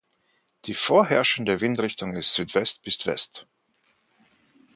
Die vorherrschende Windrichtung ist Südwest bis West.